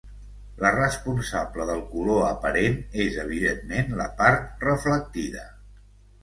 La responsable del color aparent és evidentment la part reflectida.